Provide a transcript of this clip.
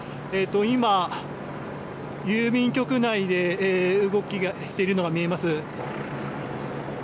今、郵便局内で動いているのが見えます。